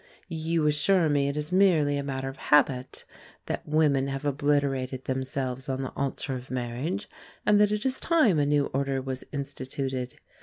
You assure me it is merely a matter of habit, that women have obliterated themselves on the altar of marriage, and that it is time a new order was instituted.